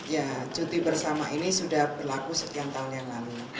ya cuti bersama ini sudah berlaku sekian tahun yang lalu